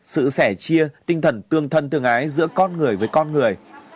sự sẻ chia tinh thần tương thân tương ái giữa con người với con người